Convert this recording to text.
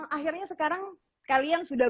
akhirnya sekarang kalian sudah